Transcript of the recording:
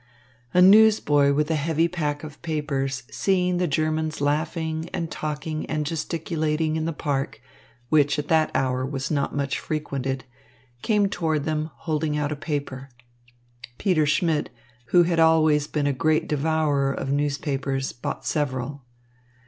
A newsboy with a heavy pack of papers, seeing the Germans laughing and talking and gesticulating in the Park, which at that hour was not much frequented, came toward them, holding out a paper. Peter Schmidt, who had always been a great devourer of newspapers, bought several.